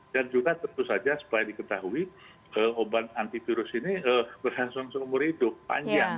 dan juga tentu saja supaya diketahui obat antivirus ini berhasil seumur itu panjang